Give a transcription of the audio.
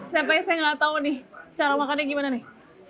saya pese nggak tahu nih cara makannya gimana nih